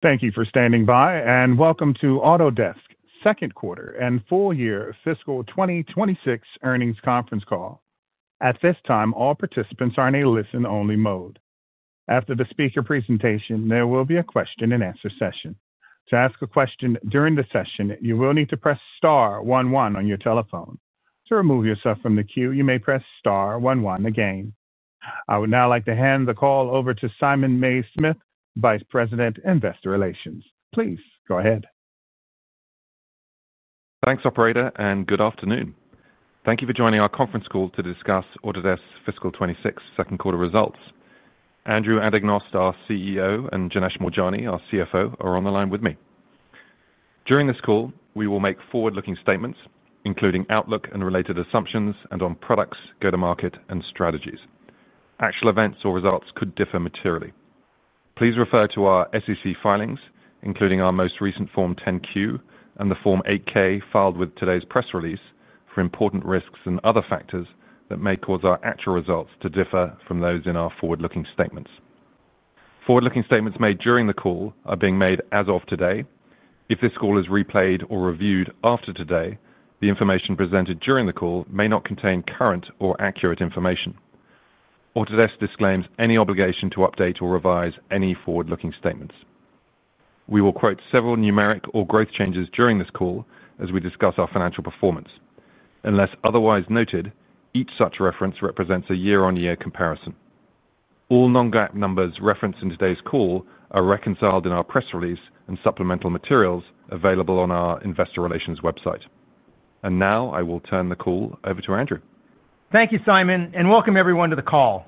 Thank you for standing by and welcome to Autodesk Second Quarter and Full Year Fiscal 2026 Earnings Conference Call. At this time all participants are in a listen only mode. After the speaker presentation there will be a question and answer session. To ask a question during the session, you will need to press star one one on your telephone. To remove yourself from the queue, you may press star one one again. I would now like to hand the call over to Simon Mays-Smith, Vice President, Investor Relations. Please go ahead. Thanks, Operator, and good afternoon. Thank you for joining our conference call to discuss Autodesk's fiscal 2026 second quarter results. Andrew Anagnost, our CEO, and Janesh Moorjani, our CFO, are on the line with me. During this call we will make forward-looking statements including outlook and related assumptions and on products, go to market, and strategies. Actual events or results could differ materially. Please refer to our SEC filings including our most recent Form 10-Q and the Form 8-K filed with today's press release for important risks and other factors that may cause our actual results to differ from those in our forward-looking statements. Forward-looking statements made during the call are being made as of today. If this call is replayed or reviewed after today, the information presented during the call may not contain current or accurate information. Autodesk disclaims any obligation to update or revise any forward-looking statements. We will quote several numeric or growth changes during this call as we discuss our financial performance. Unless otherwise noted, each such reference represents a year-on-year comparison. All non-GAAP numbers referenced in today's call are reconciled in our press release and supplemental materials available on our Investor Relations website. Now I will turn the call over to Andrew. Thank you, Simon, and welcome everyone to the call.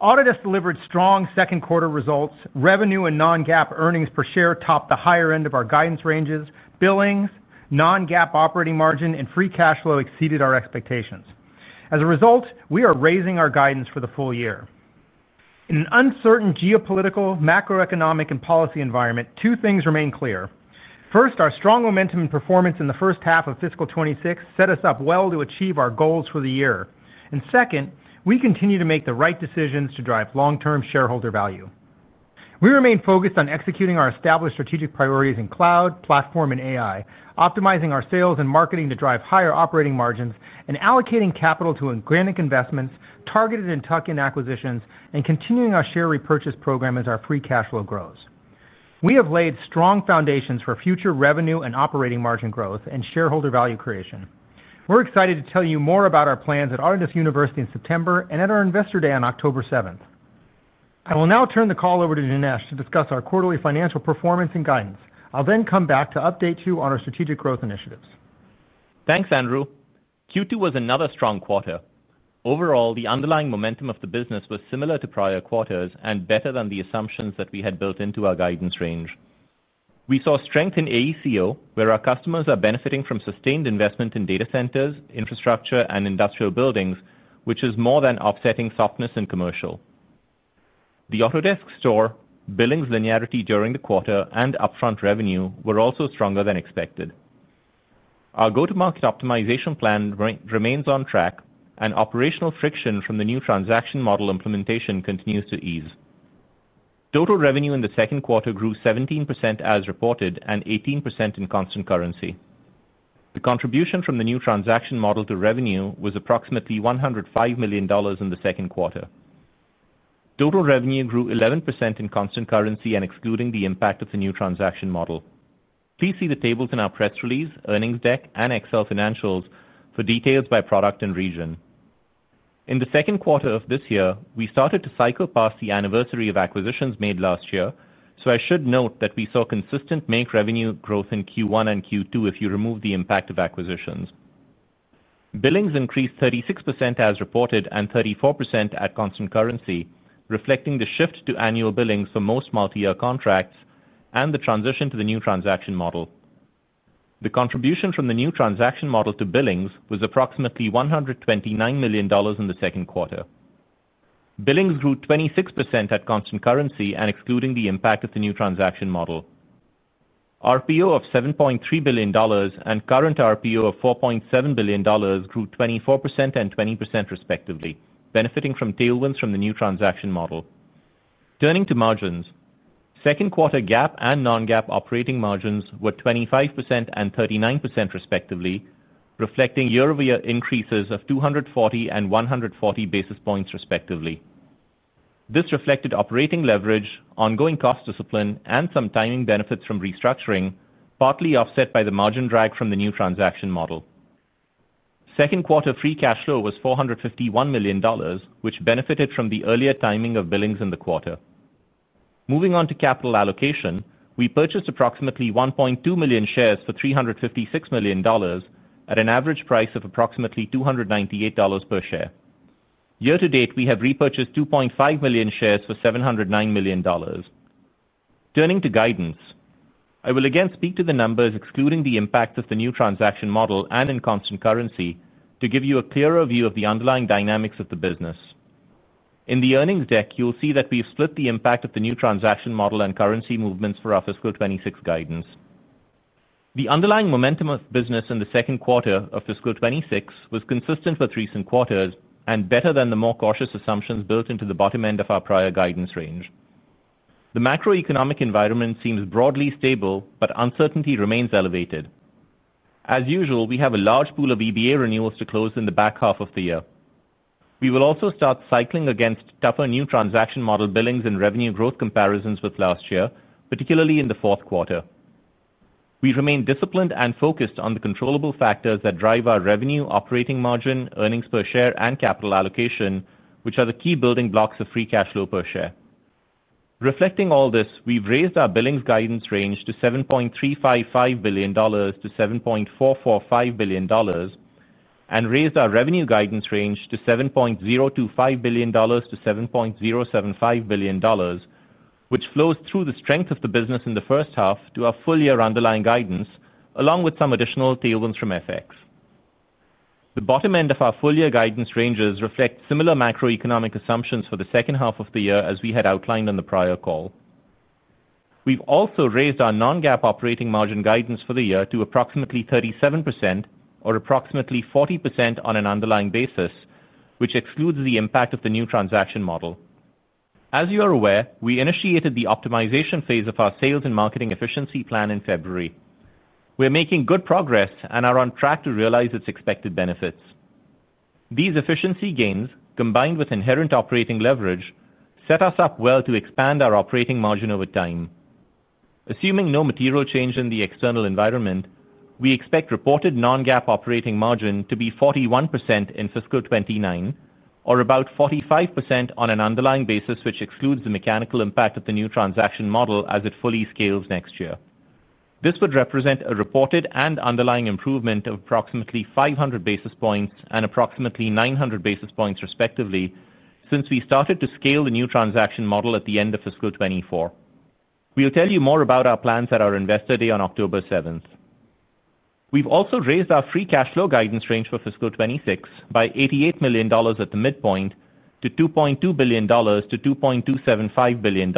Autodesk delivered strong second quarter results. Revenue and non-GAAP earnings per share topped the higher end of our guidance ranges. Billings, non-GAAP operating margin, and free cash flow exceeded our expectations. As a result, we are raising our guidance for the full year. In an uncertain geopolitical, macroeconomic, and policy environment, two things remain clear. First, our strong momentum and performance in the first half of fiscal 2026 set us up well to achieve our goals for the year. Second, we continue to make the right decisions to drive long-term shareholder value. We remain focused on executing our established strategic priorities in cloud, platform, and AI, optimizing our sales and marketing to drive higher operating margins, and allocating capital to organic investments, targeted and tuck-in acquisitions, and continuing our share repurchase program. As our free cash flow grows, we have laid strong foundations for future revenue and operating margin growth and shareholder value creation. We're excited to tell you more about our plans at Autodesk University in September and at our Investor Day on October 7th. I will now turn the call over to Janesh to discuss our quarterly financial performance and guidance. I'll then come back to update you on our strategic growth initiatives. Thanks, Andrew. Q2 was another strong quarter overall. The underlying momentum of the business was similar to prior quarters and better than the assumptions that we had built into our guidance range. We saw strength in AECO where our customers are benefiting from sustained investment in data centers, infrastructure, and industrial buildings, which is more than offsetting softness in commercial. The Autodesk Store billings linearity during the quarter and upfront revenue were also stronger than expected. Our go-to-market optimization plan remains on track, and operational friction from the new transaction model implementation continues to ease. Total revenue in the second quarter grew 17% as reported and 18% in constant currency. The contribution from the new transaction model to revenue was approximately $105 million in the second quarter. Total revenue grew 11% in constant currency, excluding the impact of the new transaction model. Please see the tables in our press release, Earnings Deck, and Excel Financials for details by product and region. In the second quarter of this year, we started to cycle past the anniversary of acquisitions made last year, so I should note that we saw consistent make revenue growth in Q1 and Q2 if you remove the impact of acquisitions. Billings increased 36% as reported and 34% at constant currency, reflecting the shift to annual billings for most multi-year contracts and the transition to the new transaction model. The contribution from the new transaction model to billings was approximately $129 million in the second quarter. Billings grew 26% at constant currency, excluding the impact of the new transaction model. RPO of $7.3 billion and current RPO of $4.7 billion grew 24% and 20% respectively, benefiting from tailwinds from the new transaction model. Turning to margins, second quarter GAAP and non-GAAP operating margins were 25% and 39% respectively, reflecting year-over-year increases of 240 and 140 basis points, respectively. This reflected operating leverage, ongoing cost discipline, and some timing benefits from restructuring, partly offset by the margin drag from the new transaction model. Second quarter free cash flow was $451 million, which benefited from the earlier timing of billings in the quarter. Moving on to capital allocation, we purchased approximately 1.2 million shares for $356 million at an average price of approximately $298 per share. Year to date, we have repurchased 2.5 million shares for $709 million. Turning to guidance, I will again speak to the numbers excluding the impacts of the new transaction model and in constant currency to give you a clearer view of the underlying dynamics of the business. In the earnings deck, you'll see that we've split the impact of the new transaction model and currency movements for our fiscal 2026 guidance. The underlying momentum of business in the second quarter of fiscal 2026 was consistent with recent quarters and better than the more cautious assumptions built into the bottom end of our prior guidance range. The macroeconomic environment seems broadly stable, but uncertainty remains elevated. As usual, we have a large pool of EBA renewals to close in the back half of the year. We will also start cycling against tougher new transaction model billings and revenue growth comparisons with last year, particularly in the fourth quarter. We remain disciplined and focused on the controllable factors that drive our revenue, operating margin, earnings per share, and capital allocation, which are the key building blocks of free cash flow per share. Reflecting all this, we've raised our billings guidance range to $7,355 billion to $7,445 billion and raised our revenue guidance range to $7,025 billion to $7,075 billion, which flows through the strength of the business in the first half to our full year underlying guidance along with some additional tailwinds from FX. The bottom end of our full year guidance ranges reflect similar macroeconomic assumptions for the second half of the year as we had outlined on the prior call. We've also raised our non-GAAP operating margin guidance for the year to approximately 37% or approximately 40% on an underlying basis, which excludes the impact of the new transaction model. As you are aware, we initiated the optimization phase of our sales and marketing efficiency plan in February. We are making good progress and are on track to realize its expected benefits. These efficiency gains, combined with inherent operating leverage, set us up well to expand our operating margin over time. Assuming no material change in the external environment, we expect reported non-GAAP operating margin to be 41% in fiscal 2029, or about 45% on an underlying basis, which excludes the mechanical impact of the new transaction model as it fully scales next year. This would represent a reported and underlying improvement of approximately 500 basis points and approximately 900 basis points, respectively. Since we started to scale the new transaction model at the end of fiscal 2024, we will tell you more about our plans at our Investor Day on October 7th. We've also raised our free cash flow guidance range for fiscal 2026 by $88 million at the midpoint and to $2.2 billion to $2,275 billion.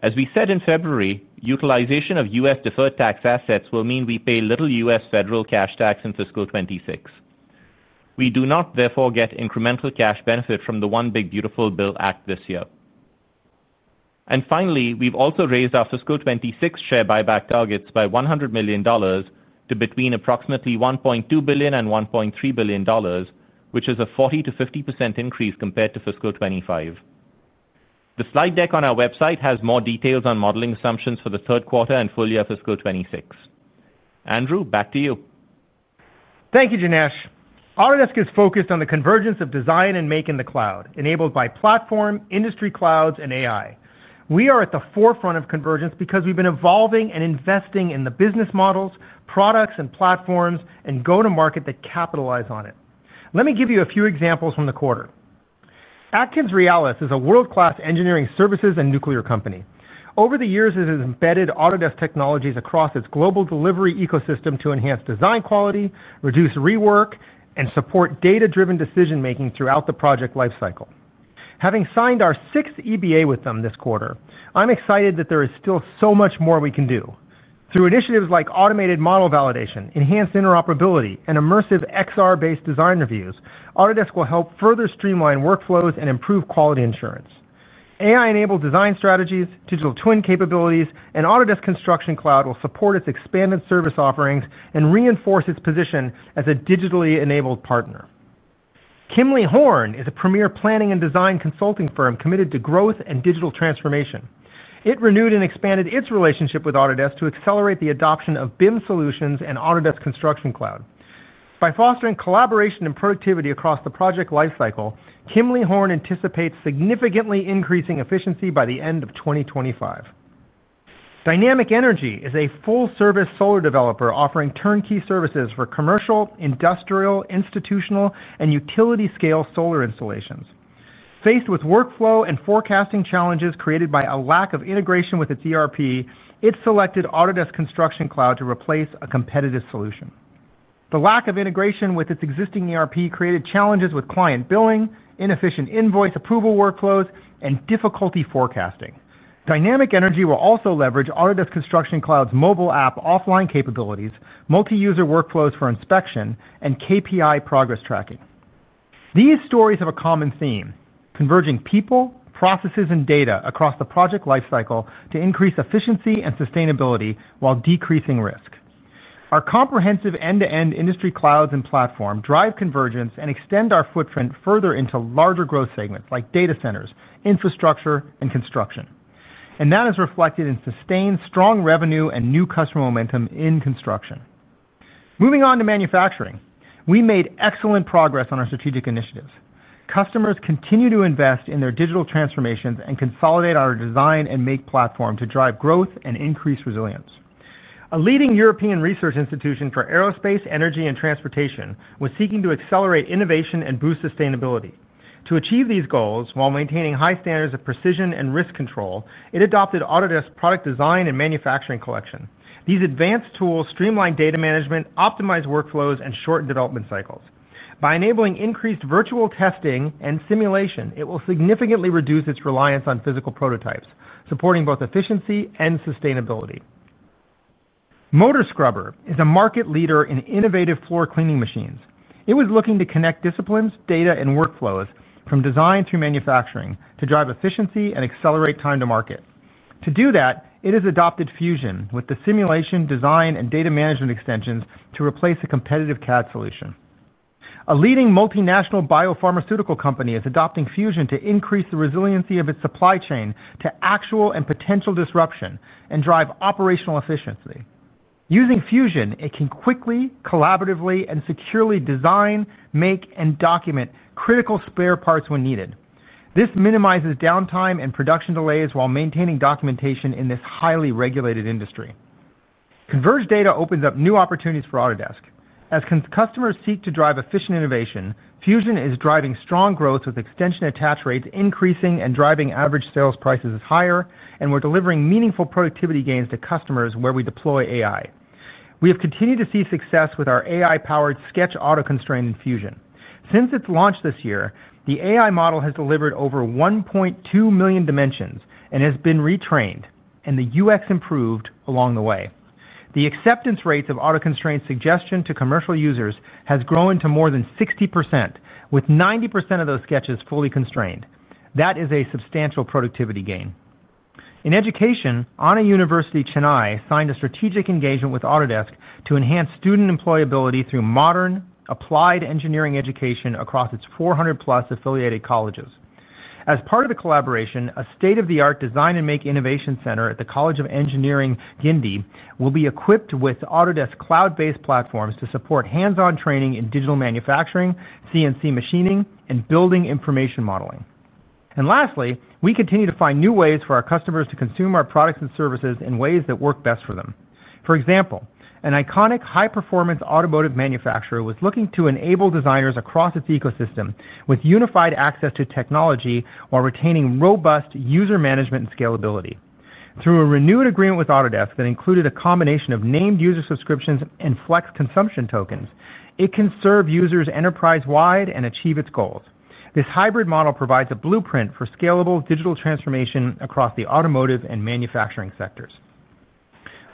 As we said in February, utilization of U.S. deferred tax assets will mean we pay little U.S. federal cash tax in fiscal 2026. We do not therefore get incremental cash benefit from the one big beautiful bill act this year. Finally, we've also raised our fiscal 2026 share buyback targets by $100 million to between approximately $1.2 billion and $1.3 billion, which is a 40% to 50% increase compared to fiscal 2025. The slide deck on our website has more details on modeling assumptions for the third quarter and full year fiscal 2026 Andrew, back to you. Thank you, Janesh. Autodesk is focused on the convergence of design and make in the cloud enabled by platform, industry clouds, and AI. We are at the forefront of convergence because we've been evolving and investing in the business models, products, platforms, and go to market that capitalize on it. Let me give you a few examples from the quarter. AtkinsRéalis is a world-class engineering, services, and nuclear company. Over the years, it has embedded Autodesk technologies across its global delivery ecosystem to enhance design quality, reduce rework, and support data-driven decision making throughout the project lifecycle. Having signed our sixth EBA with them this quarter, I'm excited that there is still so much more we can do. Through initiatives like automated model validation, enhanced interoperability, and immersive XR-based design reviews, Autodesk will help streamline workflows and improve quality assurance, AI-enabled design strategies, digital twin capabilities, and Autodesk Construction Cloud will support its expanded service offerings and reinforce its position as a digitally enabled partner. Kimley-Horn is a premier planning and design consulting firm committed to growth and digital transformation. It renewed and expanded its relationship with Autodesk to accelerate the adoption of BIM solutions and Autodesk Construction Cloud. By fostering collaboration and productivity across the project lifecycle, Kimley-Horn anticipates significantly increasing efficiency by the end of 2025. Dynamic Energy is a full-service solar developer offering turnkey services for commercial, industrial, institutional, and utility-scale solar installations. Faced with workflow and forecasting challenges created by a lack of integration with its ERP, it selected Autodesk Construction Cloud to replace a competitive solution. The lack of integration with its existing ERP created challenges with client billing, inefficient invoice approval workflows, and difficulty forecasting. Dynamic Energy will also leverage Autodesk Construction Cloud's mobile app offline capabilities and multi-user workflows for inspection and KPI progress tracking. These stories have a common theme: converging people, processes, and data across the project lifecycle to increase efficiency and sustainability while decreasing risk. Our comprehensive end-to-end industry clouds and platform drive convergence and extend our footprint further into larger growth segments like data centers, infrastructure, and construction, and that is reflected in sustained strong revenue and new customer momentum in construction. Moving on to manufacturing, we made excellent progress on our strategic initiatives. Customers continue to invest in their digital transformations and consolidate our design and make platform to drive growth and increase resilience. A leading European research institution for aerospace, energy, and transportation was seeking to accelerate innovation and boost sustainability. To achieve these goals while maintaining high standards of precision and risk control, it adopted Autodesk Product Design & Manufacturing Collection. These advanced tools streamline data management, optimize workflows, and shorten development cycles. By enabling increased virtual testing and simulation, it will significantly reduce its reliance on physical prototypes, supporting both efficiency and sustainability. MotorScrubber is a market leader in innovative floor cleaning machines. It was looking to connect disciplines, data, and workflows from design through manufacturing to drive efficiency and accelerate time to market. To do that, it has adopted Fusion with the simulation, design, and data management extensions to replace a competitive CAD solution. A leading multinational biopharmaceutical company is adopting Fusion to increase the resiliency of its supply chain to actual and potential disruption and drive operational efficiency. Using Fusion, it can quickly, collaboratively, and securely design, make, and document critical spare parts when needed. This minimizes downtime and production delays while maintaining documentation in this highly regulated industry. Converged data opens up new opportunities for Autodesk as customers seek to drive efficient innovation. Fusion is driving strong growth with extension attach rates increasing and driving average sales prices higher, and we're delivering meaningful productivity gains to customers where we deploy AI. We have continued to see success with our AI-powered Sketch Auto Constrain in Fusion. Since its launch this year, the AI model has delivered over 1.2 million dimensions and has been retrained and the UX improved along the way. The acceptance rates of Auto Constrain's suggestion to commercial users has grown to more than 60% with 90% of those sketches fully constrained. That is a substantial productivity gain in education. ANNA University Chennai signed a strategic engagement with Autodesk to enhance student employability through modern applied engineering education across its 400+ affiliated colleges. As part of the collaboration, a state-of-the-art Design and Make Innovation Center at the College of Engineering, Guindy will be equipped with Autodesk cloud-based platforms to support hands-on training in digital manufacturing, CNC machining, and building information modeling. Lastly, we continue to find new ways for our customers to consume our products and services in ways that work best for them. For example, an iconic high-performance automotive manufacturer was looking to enable designers across its ecosystem with unified access to technology while retaining robust user management and scalability. Through a renewed agreement with Autodesk that included a combination of named user subscriptions and Flex consumption tokens, it can serve users enterprise-wide and achieve its goals. This hybrid model provides a blueprint for scalable digital transformation across the automotive and manufacturing sectors,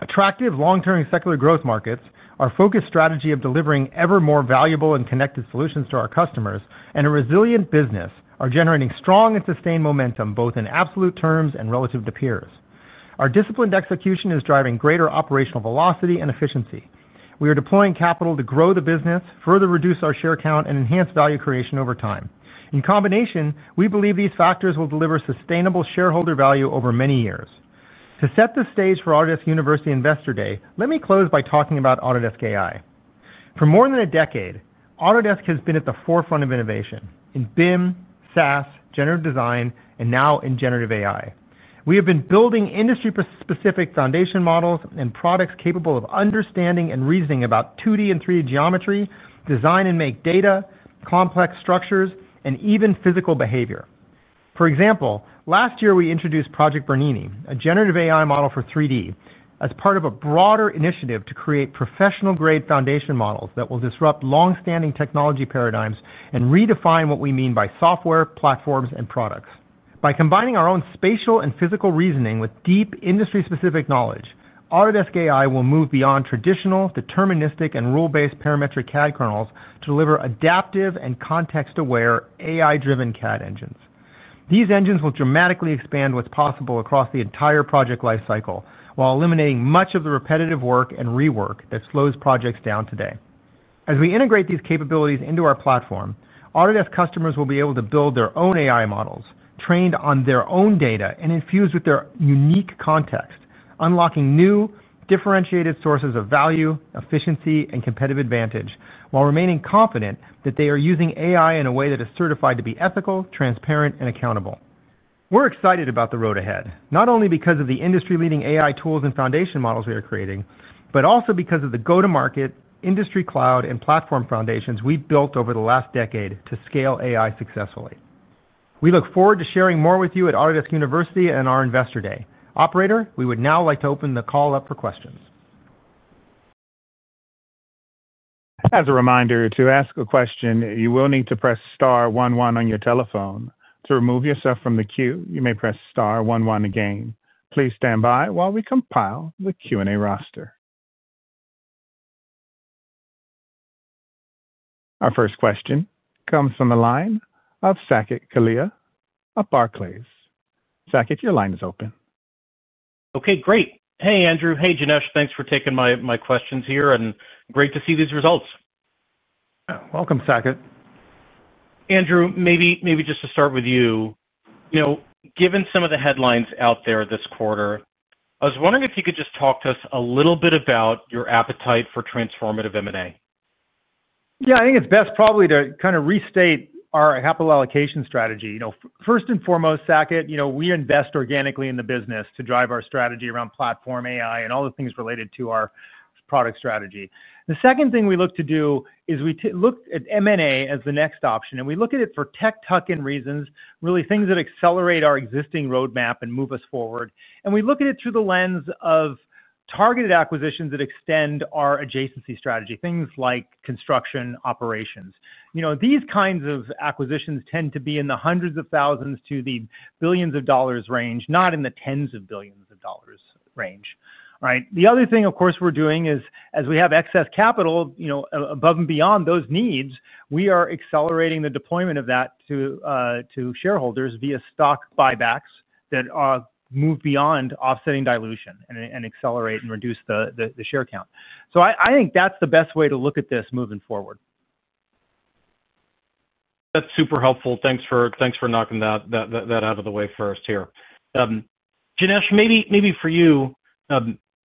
attractive long-term secular growth markets. Our focused strategy of delivering ever more valuable and connected solutions to our customers and a resilient business are generating strong and sustained momentum both in absolute terms and relative to peers. Our disciplined execution is driving greater operational velocity and efficiency. We are deploying capital to grow the business further, reduce our share count, and enhance value creation over time. In combination, we believe these factors will deliver sustainable shareholder value over many years. To set the stage for Autodesk University Investor Day, let me close by talking about Autodesk AI. For more than a decade, Autodesk has been at the forefront of innovation in BIM SaaS, generative design, and now in generative AI. We have been building industry-specific foundation models and products capable of understanding and reasoning about 2D and 3D geometry, design and make data, complex structures, and even physical behavior. For example, last year we introduced Project Bernini, a generative AI model for 3D as part of a broader initiative to create professional-grade foundation models that will disrupt long-standing technology paradigms and redefine what we mean by software platforms and products. By combining our own spatial and physical reasoning with deep industry-specific knowledge, Autodesk AI will move beyond traditional deterministic and rule-based parametric CAD kernels to deliver adaptive and context-aware AI-driven CAD engines. These engines will dramatically expand what's possible across the entire project lifecycle while eliminating much of the repetitive work and rework that slows projects down. Today, as we integrate these capabilities into our platform, Autodesk customers will be able to build their own AI models trained on their own data and infused with their unique context, unlocking new differentiated sources of value, efficiency, and competitive advantage while remaining confident that they are using AI in a way that is certified to be ethical, transparent, and accountable. We're excited about the road ahead not only because of the industry-leading AI tools and foundation models we are creating, but also because of the go-to-market industry cloud and platform foundations we built over the last decade to scale AI successfully. We look forward to sharing more with you at Autodesk University and our Investor Day. Operator, we would now like to open the call up for questions. As a reminder, to ask a question, you will need to press star one one on your telephone. To remove yourself from the queue, you may press star one one again. Please stand by while we compile the Q&A roster. Our first question comes from the line of Saket Kalia at Barclays. Saket, your line is open. Okay, great. Hey, Andrew. Hey, Janesh. Thanks for taking my questions here and great to see these results. Welcome, Saket. Andrew, maybe just to start with you, given some of the headlines out there this quarter, I was wondering if you could just talk to us a little bit about your appetite for transformative M&A. I think it's best probably to kind of restate our capital allocation strategy. First and foremost, Saket, we invest organically in the business to drive our strategy around platform AI and all the things related to our product strategy. The second thing we look to do is we look at M&A as the next option and we look at it for tech tuck-in reasons really, things that accelerate our existing roadmap and move us forward. We look at it through the lens of targeted acquisitions that extend our adjacency strategy, things like construction operations. These kinds of acquisitions tend to be in the hundreds of thousands to the billions of dollars range, not in the tens of billions of dollars range. The other thing of course we're doing is as we have excess capital, above and beyond those needs, we are accelerating the deployment of that to shareholders via stock buybacks that move beyond offsetting dilution and accelerate and reduce the share count. I think that's the best way to look at this moving forward. That's super helpful. Thanks for knocking that out of the way first here. Janesh, maybe for you.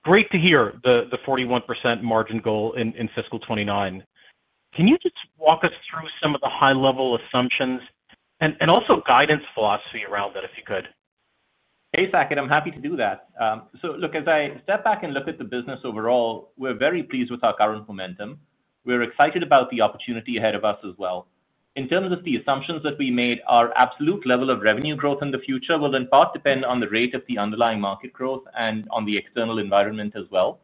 Great to hear the 41% margin goal in fiscal 2029. Can you just walk us through some of the high-level assumptions and also guidance philosophy around that, if you could. Hey, Saket, I'm happy to do that. As I step back and look at the business overall, we're very pleased with our current momentum. We're excited about the opportunity ahead of us as well. In terms of the assumptions that we made, our absolute level of revenue growth in the future will in part depend on the rate of the underlying market growth and on the external environment as well.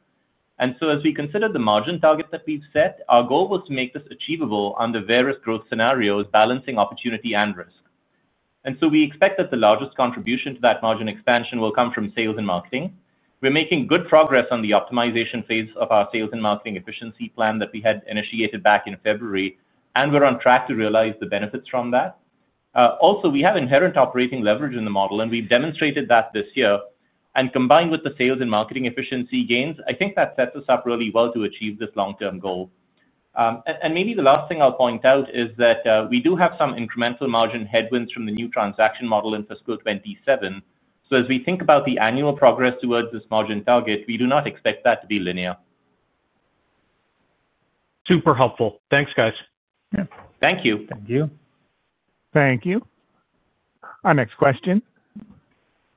As we consider the margin target that we've set, our goal was to make this achievable under various growth scenarios, balancing opportunity and risk. We expect that the largest contribution to that margin expansion will come from sales and marketing. We're making good progress on the optimization phase of our sales and marketing efficiency plan that we had initiated back in February, and we're on track to realize the benefits from that. We have inherent operating leverage in the model and we've demonstrated that this year. Combined with the sales and marketing efficiency gains, I think that sets us up really well to achieve this long term goal. The last thing I'll point out is that we do have some incremental margin headwinds from the new transaction model in fiscal 2027. As we think about the annual progress toward this margin target, we do not expect that to be linear. Super helpful. Thanks, guys. Thank you. Thank you. Thank you. Our next question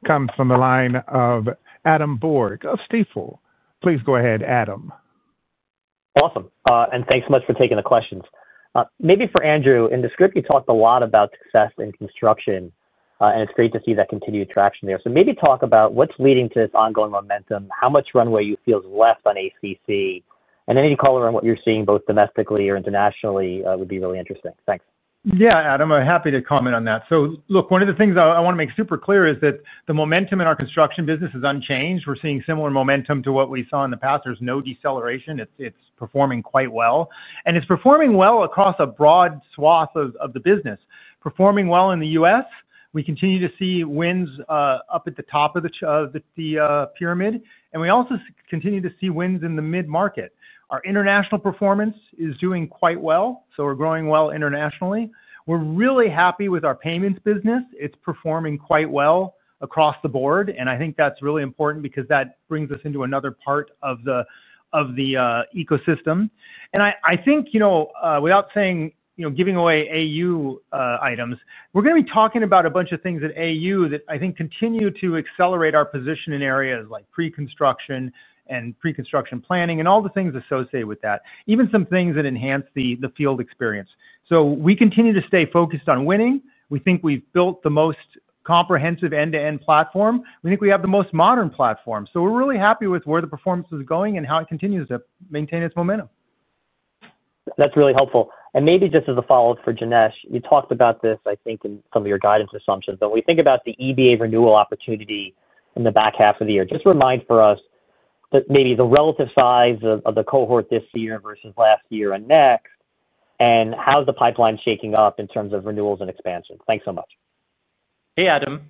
comes from the line of Adam Borg of Stifel. Please go ahead, Adam. Awesome. Thanks so much for taking the questions. Maybe for Andrew, in the script you talked a lot about success in construction and it's great to see that continued traction there. Maybe talk about what's leading to this ongoing momentum. How much runway you feel is left on ACC and any color on what you're seeing, both domestically or internationally, would be really interesting. Thanks. Yeah, Adam, I'm happy to comment on that. One of the things I want to make super clear is that the momentum in our construction business is unchanged. We're seeing similar momentum to what we saw in the past. There's no deceleration, it's performing quite well and it's performing well across a broad swath of the business. Performing well in the U.S., we continue to see wins up at the top of the pyramid and we also continue to see wins in the mid market. Our international performance is doing quite well. We're growing well internationally. We're really happy with our payments business. It's performing quite well across the board and I think that's really important because that brings us into another part of the ecosystem. I think, without giving away AU items, we're going to be talking about a bunch of things at AU that I think continue to accelerate our position in areas like preconstruction and preconstruction planning and all the things associated with that, even some things that enhance the field experience. We continue to stay focused on winning. We think we've built the most comprehensive end-to-end platform. We think we have the most modern platform. We're really happy with where the performance is going and how it continues to maintain its momentum. That's really helpful. Maybe just as a follow up for Janesh, you talked about this, I think, in some of your guidance assumptions. When we think about the EBA renewal opportunity in the back half of the year, just remind for us maybe the relative size of the cohort this year versus last year and next and how's the pipeline shaking up in terms of renewals and expansion? Thanks so much. Hey Adam.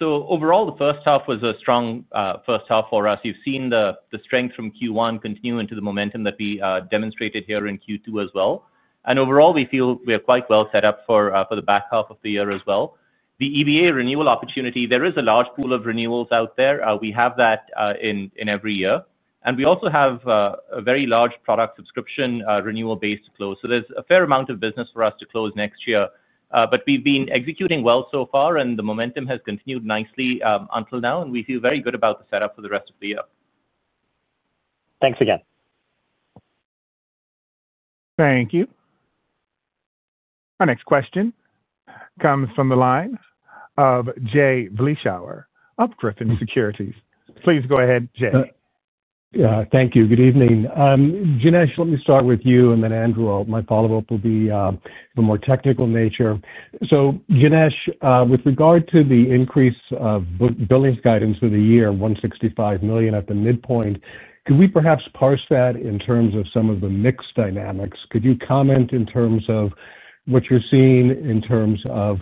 Overall, the first half was a strong first half for us. You've seen the strength from Q1 continue into the momentum that we demonstrated here in Q2 as well. Overall, we feel we are quite well set up for the back half of the year as well. The EBA renewal opportunity, there is a large pool of renewals out there. We have that in every year, and we also have a very large product subscription renewal base to close. There's a fair amount of business for us to close next year. We've been executing well so far, and the momentum has continued nicely until now. We feel very good about the setup for the rest of the year. Thanks again. Thank you. Our next question comes from the line of Jay Vleeschhouwer of Griffin Securities. Please go ahead. Jay. Thank you. Good evening. Janesh, let me start with you and then Andrew, my follow up will be the more technical nature. Janesh, with regard to the increase of billings guidance for the year, $165 million at the midpoint, could we perhaps parse that in terms of some of the mix dynamics? Could you comment in terms of what you're seeing in terms of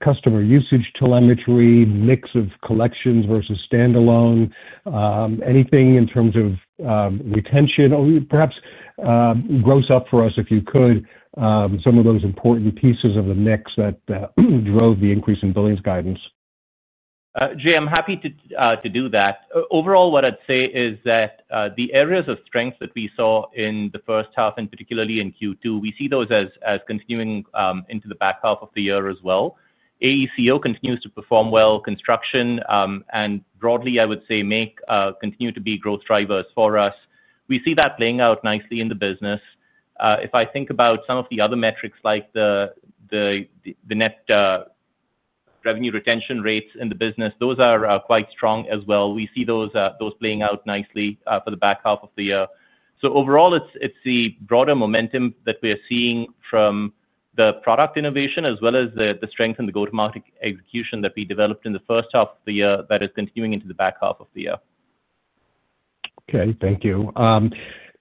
customer usage, telemetry, mix of collections versus standalone, anything in terms of retention, perhaps gross up for us if you could, some of those important pieces of the mix that drove the increase in billings guidance. Jay, I'm happy to do that. Overall, what I'd say is that the areas of strength that we saw in the first half and particularly in Q2, we see those as continuing into the back half of the year as well. AECO continues to perform well. Construction and, broadly, I would say make continue to be growth drivers for us. We see that playing out nicely in the business. If I think about some of the other metrics like the net revenue retention rates in the business, those are quite strong as well. We see those playing out nicely for the back half of the year. Overall, it's the broader momentum that we are seeing from the product innovation as well as the strength and the go-to-market execution that we developed in the first half of the year that is continuing into the back half of the year. Okay, thank you,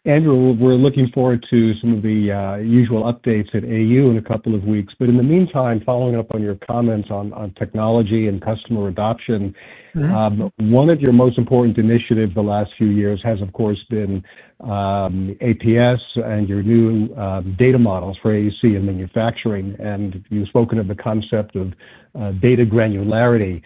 Andrew. We're looking forward to some of the usual updates at AU in a couple of weeks. In the meantime, following up on your comments on technology and customer adoption, one of your most important initiatives the last few years has of course been APS and your new data models for AEC and manufacturing. You've spoken of the concept of data granularity.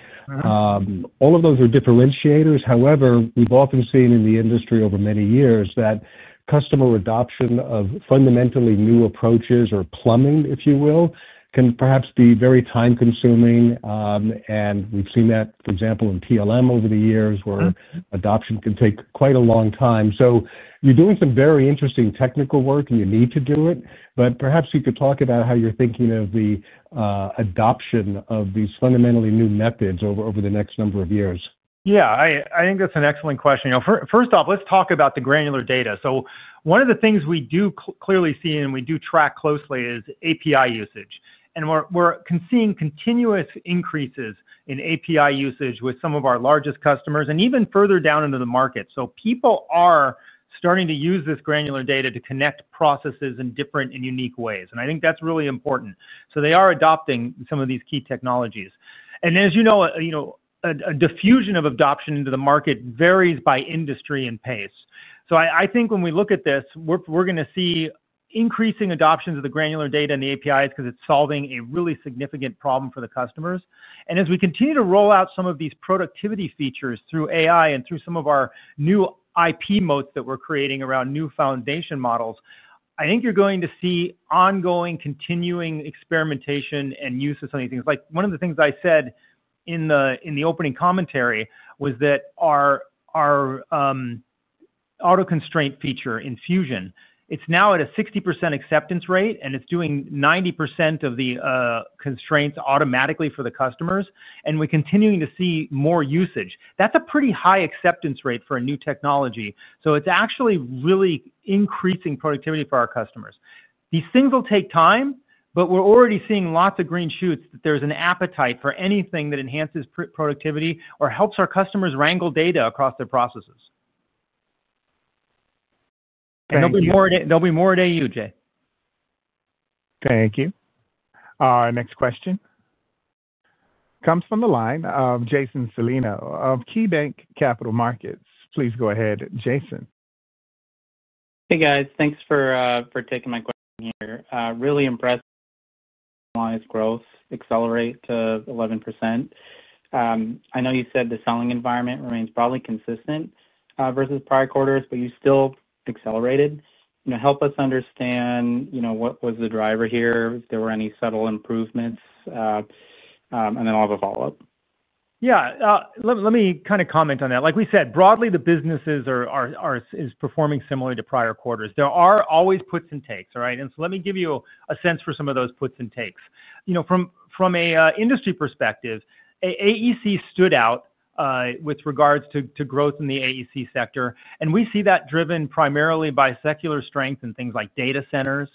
All of those are differentiators. However, we've often seen in the industry over many years that customer adoption of fundamentally new approaches, or plumbing, if you will, can perhaps be very time consuming. We've seen that, for example, in PLM over the years where adoption can take quite a long time. You're doing some very interesting technical work and you need to do it. Perhaps you could talk about how you're thinking of the adoption of these fundamentally new methods over the next number of years. Yeah, I think that's an excellent question. First off, let's talk about the granular data. One of the things we do clearly see and we do track closely is API usage. We're seeing continuous increases in API usage with some of our largest customers and even further down into the market. People are starting to use this granular data to connect processes in different and unique ways, and I think that's really important. They are adopting some of these key technologies and, as you know, a diffusion of adoption into the market varies by industry and pace. I think when we look at this, we're going to see increasing adoptions of the granular data and the APIs, because it's solving a really significant problem for the customers. As we continue to roll out some of these productivity features through AI and through some of our new IP modes that we're creating around new foundation models, I think you're going to see ongoing continuing experimentation and use of something. Like one of the things I said in the opening commentary was that our Auto Constrain feature in Fusion, it's now at a 60% acceptance rate and it's doing 90% of the constraints automatically for the customers, and we're continuing to see more usage. That's a pretty high acceptance rate for a new technology. It's actually really increasing productivity for our customers. These things will take time, but we're already seeing lots of green shoots that there's an appetite for anything that enhances productivity or helps our customers wrangle data across their processes. There'll be more at AU Jay. Thank you. Our next question comes from the line of Jason Celino of KeyBanc Capital Markets. Please go ahead, Jason. Hey guys, thanks for taking my question here. Really impressed lines growth accelerate to 11%. I know you said the selling environment remains probably consistent versus prior quarters, but you still accelerated. Help us understand what was the driver here. If there were any subtle improvements and then I'll have a follow up. Yeah, let me kind of comment on that. Like we said, broadly, the business is performing similarly to prior quarters. There are always puts and takes. Let me give you a sense for some of those puts and takes. From an industry perspective, AECO stood out with regards to growth in the AECO sector. We see that driven primarily by secular strength in things like data centers,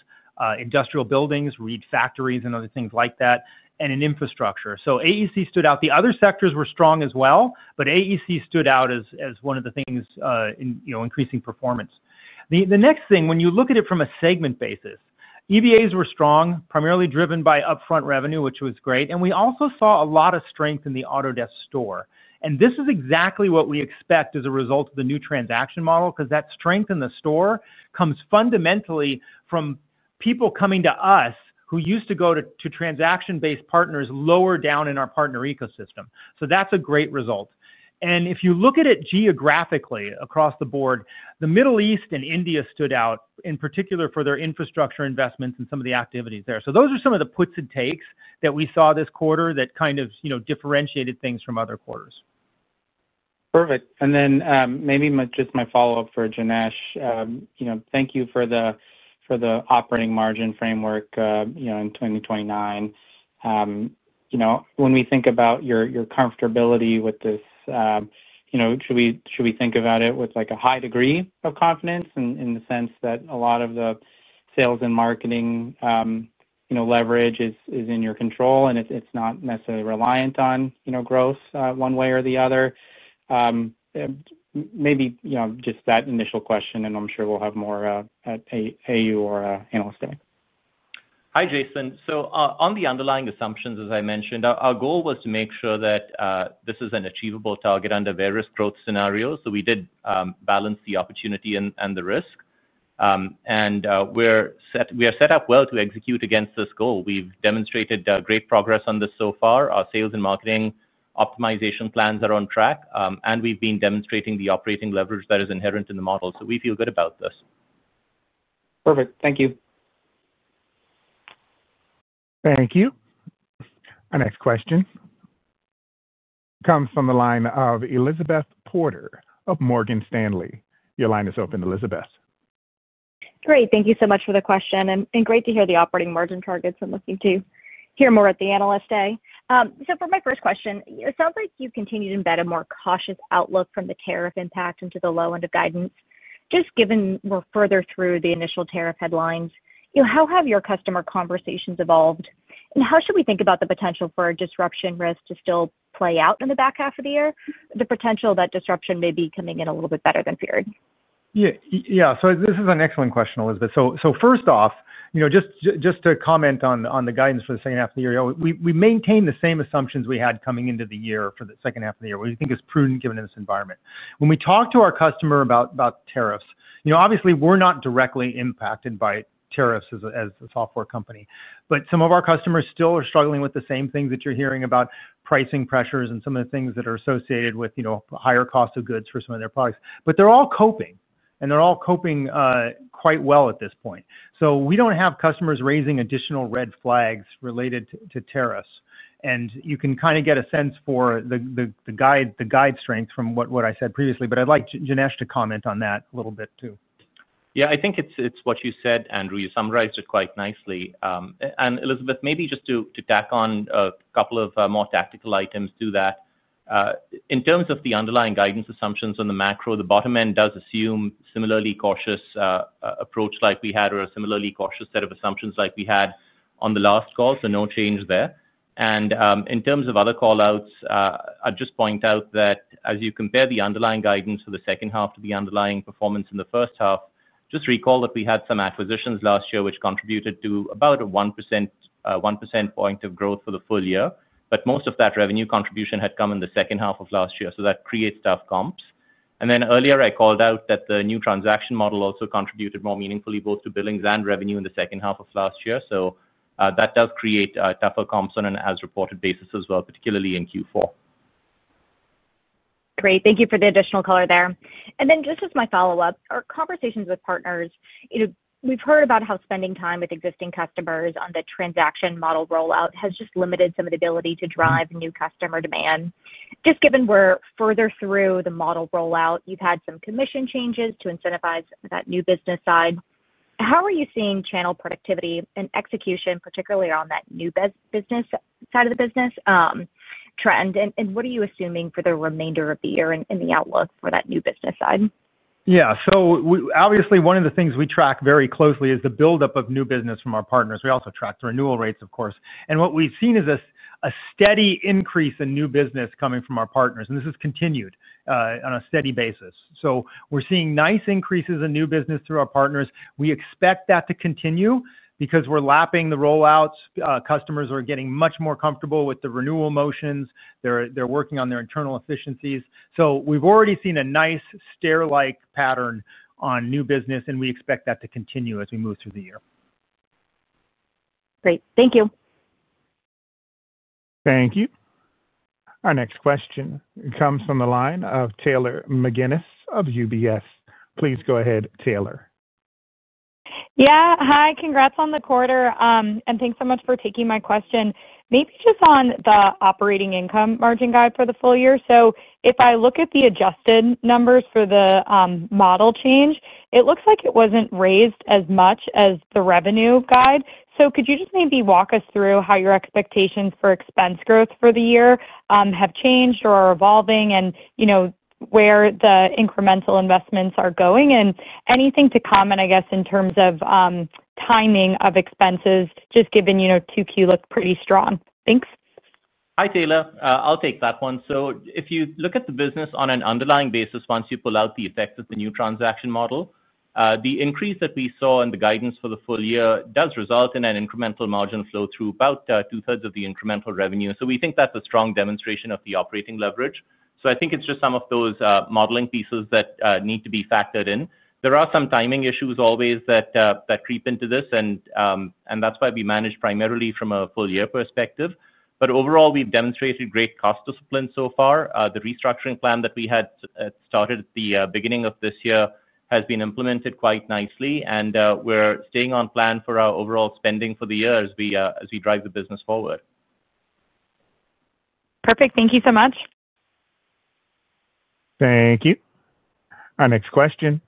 industrial buildings, reed factories, and other things like that and in infrastructure. AECO stood out. The other sectors were strong as well. AECO stood out as one of the things increasing performance. The next thing, when you look at it from a segment basis, EBAs were strong, primarily driven by upfront revenue, which was great. We also saw a lot of strength in the Autodesk store. This is exactly what we expect as a result of the new transaction model because that strength in the store comes fundamentally from people coming to us who used to go to transaction-based partners lower down in our partner ecosystem. That is a great result. If you look at it geographically, across the board, the Middle East and India stood out in particular for their infrastructure investments and some of the activities there. Those are some of the puts and takes that we saw this quarter that kind of differentiated things from other quarters. Perfect. Maybe just my follow up for Janesh, thank you for the operating margin framework in 2029. When we think about your comfortability with this, should we think about it with a high degree of confidence in the sense that a lot of the sales and marketing leverage is in your control and it's not necessarily reliant on growth one way or the other? Maybe just that initial question. I'm sure we'll have more at AU or Analyst Day. Hi Jason. On the underlying assumptions, as I mentioned, our goal was to make sure that this is an achievable target under various growth scenarios. We did balance the opportunity and the risk, and we are set up well to execute against this goal. We've demonstrated great progress on this so far. Our sales and marketing optimization plans are on track, and we've been demonstrating the operating leverage that is inherent in the model. We feel good about this. Perfect. Thank you. Thank you. Our next question comes from the line of Elizabeth Porter of Morgan Stanley. Your line is open Elizabeth. Great thank you so much for the question and great to hear the operating margin targets. I'm looking to hear more at the analyst day. For my first question, it sounds like you continue to embed a more cautious outlook from the tariff impact into the low end of guidance. Just given we're further through the initial tariff headlines, how have your customer conversations evolved and how should we think about the potential for disruption risk to still play out in the back half of the year? The potential that disruption may be coming in a little bit better than feared Yeah. This is an excellent question, Elizabeth. First off, just to comment on the guidance for the second half of the year, we maintain the same assumptions we had coming into the year for the second half of the year. We think it is prudent, given in this environment when we talk to our customer about tariffs. Obviously, we're not directly impacted by tariffs as a software company, but some of our customers still are struggling with the same things that you're hearing about pricing pressures and some of the things that are associated with higher cost of goods for some of their products. They're all coping and they're all coping quite well at this point. We don't have customers raising additional red flags related to tariffs. You can kind of get a sense for the guide strength from what I said previously. I'd like Janesh to comment on that a little bit too. Yeah, I think it's what you said, Andrew. You summarized it quite nicely. Elizabeth, maybe just to tack on a couple of more tactical items to that in terms of the underlying guidance assumptions on the macro, the bottom end does assume a similarly cautious approach like we had or a similarly cautious set of assumptions like we had on the last call. No change there. In terms of other call outs, I'd just point out that as you compare the underlying guidance for the second half to the underlying performance in the first half, just recall that we had some acquisitions last year which contributed to about a 1% point of growth for the full year. Most of that revenue contribution had come in the second half of last year. That creates tough comps. Earlier I called out that the new transaction model also contributed more meaningfully both to billings and revenue in the second half of last year. That does create tougher comps on an as reported basis as well, particularly in Q4. Great. Thank you for the additional color there. Just as my follow up, our conversations with partners, we've heard about how spending time with existing customers on the transaction model rollout has limited some of the ability to drive new customer demand. Given we're further through the model rollout, you've had some commission changes to incentivize that new business side. How are you seeing channel productivity and execution, particularly on that new business side of the business trend? What are you assuming for the remainder of the year and the outlook for that new business side? Yeah, one of the things we track very closely is the buildup of new business from our partners. We also track the renewal rates, of course, and what we've seen is a steady increase in new business coming from our partners. This has continued on a steady basis. We're seeing nice increases in new business through our partners. We expect that to continue because we're lapping the rollouts. Customers are getting much more comfortable with the renewal motions. They're working on their internal efficiencies. We've already seen a nice stair-like pattern on new business and we expect that to continue as we move through the year. Great. Thank you. Thank you. Our next question comes from the line of Taylor McGinnis of UBS. Please go ahead. Yeah, hi. Congrats on the quarter and thanks so much for taking my question. Maybe just on the operating income margin guide for the full year. If I look at the adjusted numbers for the model change, it looks like it wasn't raised as much as the revenue guide. Could you just maybe walk us through how your expectations for expense growth for the year have changed or are evolving and where the incremental investments are going and anything to comment, I guess, in terms of timing of expenses just given 2Q looked pretty strong? Thanks. Hi Taylor. I'll take that one. If you look at the business on an underlying basis, once you pull out the effects of the new transaction model, the increase that we saw in the guidance for the full year does result in an incremental margin flow through about two thirds of the incremental revenue. We think that's a strong demonstration of the operating leverage. I think it's just some of those modeling pieces that need to be factored in. There are some timing issues always that creep into this, and that's why we manage primarily from a full year perspective. Overall, we've demonstrated great cost discipline so far. The restructuring plan that we had started at the beginning of this year has been implemented quite nicely, and we're staying on plan for our overall spending for the year as we drive the business forward. Perfect. Thank you so much. Thank you. Our next question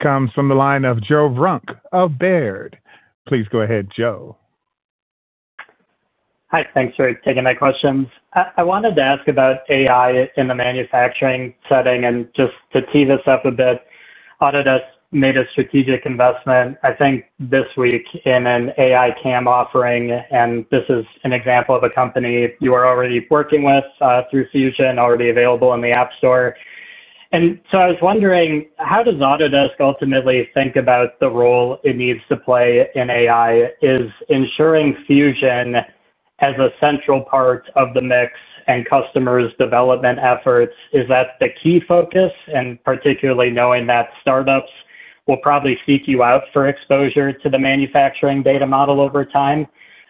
comes from the line of Joe Vruwink of Baird. Please go ahead. Joe. Hi. Thanks for taking my questions. I wanted to ask about AI in the manufacturing setting. Just to tease this up a bit, Autodesk made a strategic investment I think this week in an AI CAM offering. This is an example of a company you are already working with through Fusion, already available in the App Store. I was wondering, how does Autodesk ultimately think about the role it needs to play in AI? Is ensuring Fusion as a central part of the mix and customers' development efforts the key focus, particularly knowing that startups will probably seek you out for exposure to the manufacturing data model over time?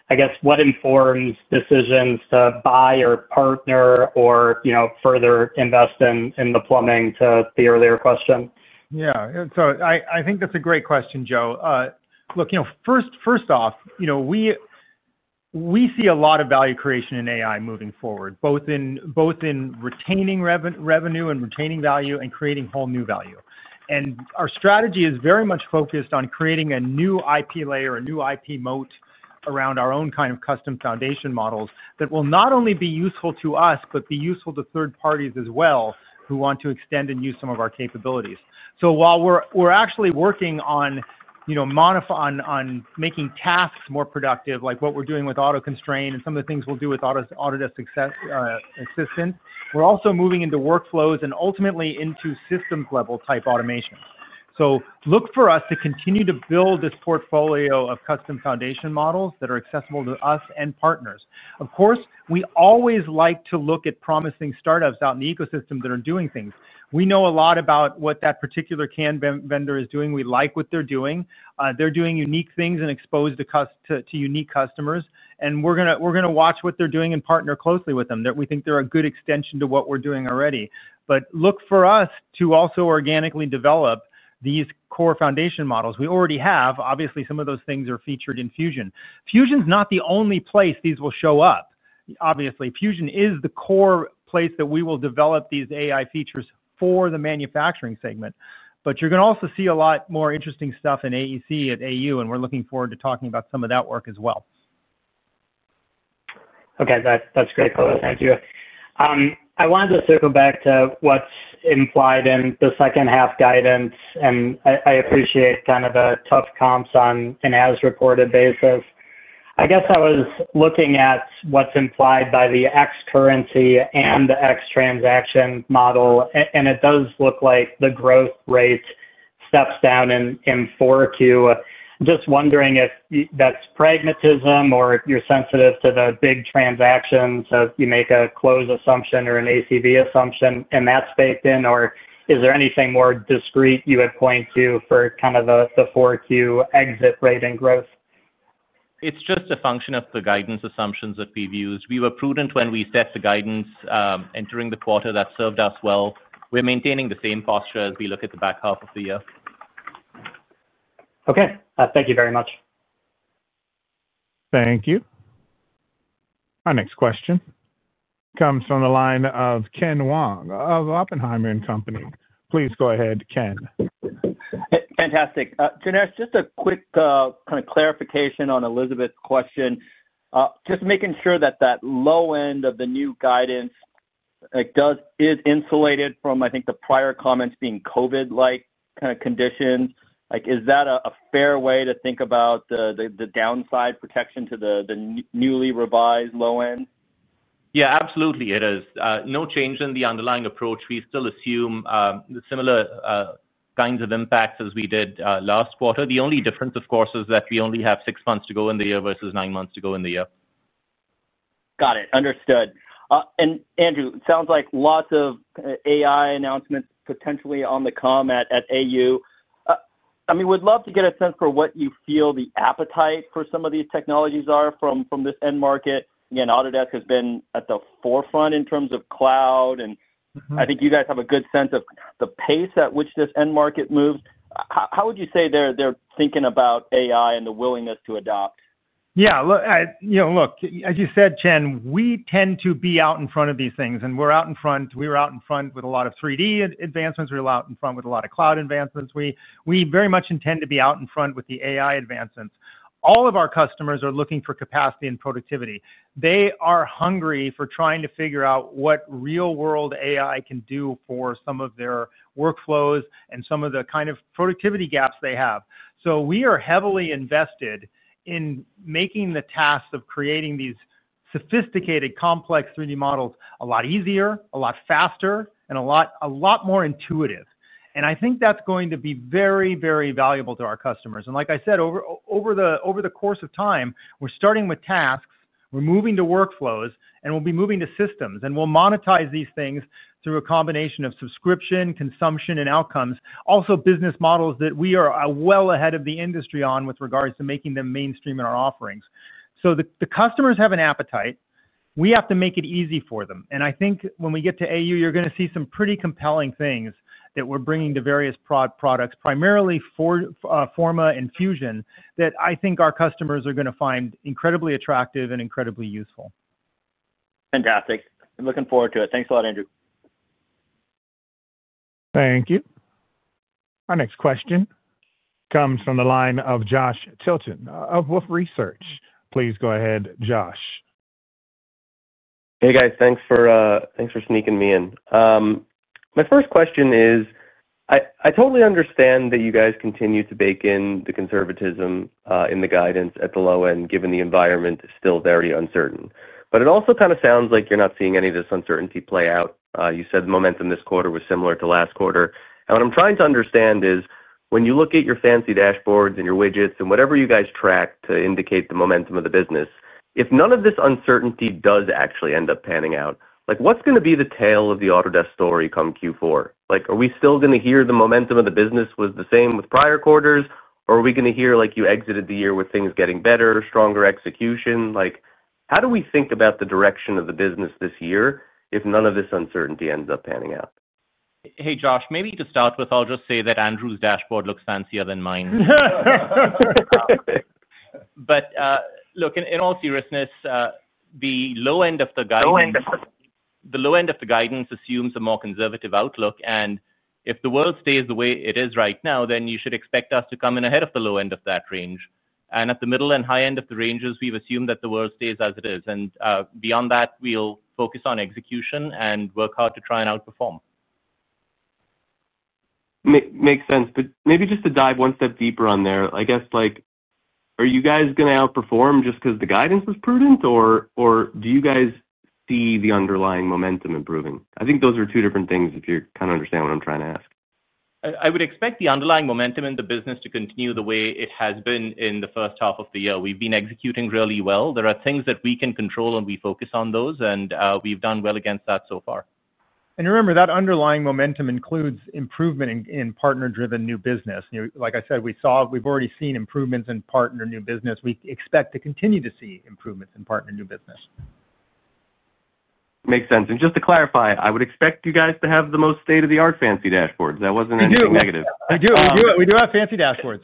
I guess what informs decisions to buy or partner or further invest in the plumbing to the earlier question. Yeah, I think that's a great question, Joe. First off, we see a lot of value creation in AI moving forward, both in retaining revenue and retaining value and creating whole new value. Our strategy is very much focused on creating a new IP layer, a new IP moat around our own kind of custom foundation models that will not only be useful to us, but be useful to third parties as well who want to extend and use some of our capabilities. While we're actually working on making tasks more productive, like what we're doing with Auto Constrain and some of the things we'll do with Autodesk Success Assistant, we're also moving into workflows and ultimately into systems level type automation. Look for us to continue to build this portfolio of custom foundation models that are accessible to us and partners. Of course, we always like to look at promising startups out in the ecosystem that are doing things. We know a lot about what that particular CAM vendor is doing. We like what they're doing. They're doing unique things and exposed to unique customers and we're going to watch what they're doing and partner closely with them. We think they're a good extension to what we're doing already. Look for us to also organically develop these core foundation models we already have. Obviously some of those things are featured in Fusion. Fusion is not the only place these will show up. Obviously Fusion is the core place that we will develop these AI features for the manufacturing segment. You are going to also see a lot more interesting stuff in AECO at AU, and we're looking forward to talking about some of that work as well. Okay, that's great. Thank you. I wanted to circle back to what's implied in the second half guidance, and I appreciate kind of the tough comps on an as reported basis. I guess I was looking at what's implied by the ex-currency and ex-transaction model, and it does look like the growth rate steps down in 4Q too. Just wondering if that's pragmatism or you're sensitive to the big transactions. You make a close assumption or an ACV assumption, and that's baked in. Is there anything more discrete you would point to for kind of the 4Q exit rate and growth? It's just a function of the guidance assumptions that we've used. We were prudent when we set the guidance entering the quarter. That served us well. We're maintaining the same posture as we look at the back half of the year. Okay, thank you very much. Thank you. Our next question comes from the line of Ken Wong of Oppenheimer & Company. Please go ahead, Ken. Fantastic. Janesh, just a quick kind of clarification on Elizabeth's question. Just making sure that that low end of the new guidance is insulated. From, I think, the prior comments being Covid-like kind of condition. Is that a fair way to think about the downside protection to the newly revised low end? Yeah, absolutely. It is no change in the underlying approach. We still assume the similar kinds of impacts as we did last quarter. The only difference, of course, is that we only have six months to go in the year versus nine months to go in the year. Got it. Understood. Andrew, it sounds like lots of AI announcements potentially on the come at AU. We'd love to get a sense for what you feel the appetite for some of these technologies are from this end market. Again, Autodesk has been at the forefront in terms of cloud, I think. You guys have a good sense of the pace at which this end market moves, how would you say they're thinking about AI and the willingness to adopt? Yeah, look, as you said, Ken, we tend to be out in front of these things and we're out in front. We were out in front with a lot of 3D advancements. We were out in front with a lot of cloud advancements. We very much intend to be out in front with the AI advancements. All of our customers are looking for capacity and productivity. They are hungry for trying to figure out what real world AI can do for some of their workflows and some of the kind of productivity gaps they have. We are heavily invested in making the task of creating these sophisticated, complex 3D models a lot easier, a lot faster, and a lot more intuitive. I think that's going to be very, very valuable to our customers. Like I said, over the course of time, we're starting with tasks, we're moving to workflows, and we'll be moving to systems, and we'll monetize these things through a combination of subscription, consumption, and outcomes. Also, business models that we are well ahead of the industry on with regards to making them mainstream in our offerings so the customers have an appetite, we have to make it easy for them. I think when we get to AU, you're going to see some pretty compelling things that we're bringing to various products, primarily Forma and Fusion, that I think our customers are going to find incredibly attractive and incredibly useful. Fantastic. Looking forward to it. Thanks a lot, Andrew. Thank you. Our next question comes from the line of Josh Tilton of Wolfe Research. Please go ahead, Josh. Hey, guys, thanks for thanks for sneaking me in. My first question is, I totally understand that you guys continue to bake in the conservatism in the guidance the low end, given the environment, is still very uncertain. It also kind of sounds like you're not seeing any of this uncertainty play out. You said the momentum this quarter was similar to last quarter. What I'm trying to understand is when you look at your fancy dashboards, your widgets and whatever you guys track to indicate the momentum of the business, if none of this uncertainty does actually end up panning out? Like, what's going to be the tale of the Autodesk story come Q4? Like, are we still going to hear the momentum of the business was the same with prior quarters? Are we going to hear like, you exited the year with things getting better, stronger execution? Like, how do we think about the direction of the business this year if none of this uncertainty ends up panning out? Hey, Josh, maybe to start with, I'll just say that Andrew's dashboard looks fancier than mine. In all seriousness, the low end of the guidance assumes a more conservative outlook. If the world stays the way it is right now, then you should expect us to come in ahead of the low end of that range. At the middle and high end of the ranges, we've assumed that the world stays as it is. Beyond that, we'll focus on execution and work hard to try and outperform. Makes sense. Maybe just to dive one step deeper on there, I guess, like are you guys going to outperform just because the guidance was prudent? or do you guys, see the underlying momentum improving? I think those are two different things if you kind of understand what I'm trying to ask. I would expect the underlying momentum in the business to continue the way it has been in the first half of the year. We've been executing really well. There are things that we can control, and we focus on those, and we've done well against that so far. Remember that underlying momentum includes improvement in partner driven new business. Like I said, we saw, we've already seen improvements in partner new business. We expect to continue to see improvement in partner new business. Makes sense. Just to clarify, I would expect you guys to have the most state of the art fancy dashboards, that wasn't anything negative. We do have fancy dashboards